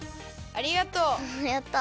ありがとう。